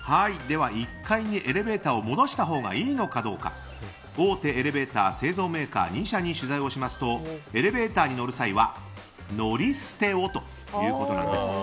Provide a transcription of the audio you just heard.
１階にエレベーターを戻したほうがいいのかどうか大手エレベーター製造メーカー２社に取材をしますとエレベーターに乗る際は乗り捨てをということなんです。